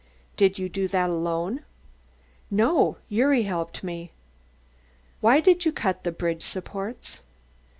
"Did you do that alone?" "No, Gyuri helped me." "Why did you cut the bridge supports?"